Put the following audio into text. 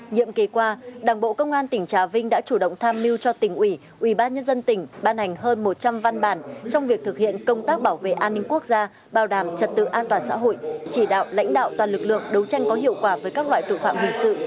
nhiệm kỳ qua đảng bộ công an tỉnh trà vinh đã chủ động tham mưu cho tỉnh ủy ubnd tỉnh ban hành hơn một trăm linh văn bản trong việc thực hiện công tác bảo vệ an ninh quốc gia bảo đảm trật tự an toàn xã hội chỉ đạo lãnh đạo toàn lực lượng đấu tranh có hiệu quả với các loại tội phạm hình sự